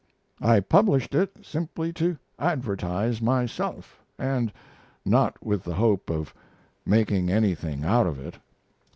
I published it simply to advertise myself, and not with the hope of making anything out of it.